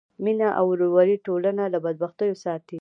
مینه او ورورولي ټولنه له بدبختیو ساتي.